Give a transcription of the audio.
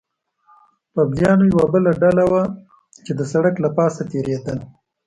پوځیانو یوه بله ډله وه، چې د سړک له پاسه تېرېدل.